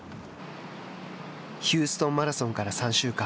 ヒューストンマラソンから３週間。